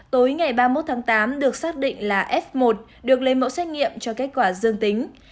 tối ngày ba mươi một tháng tám được xác định là f một được lấy mẫu xét nghiệm cho kết quả dương tính